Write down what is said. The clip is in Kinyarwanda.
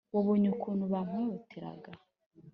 Wabonye ukuntu bampohoteraga,